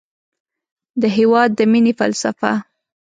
د هېواد د مینې فلسفه